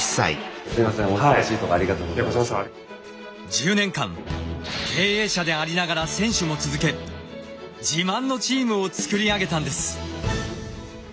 １０年間経営者でありながら選手も続け自慢のチームをつくり上げたんです。